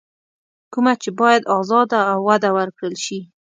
کومه چې بايد ازاده او وده ورکړل شي.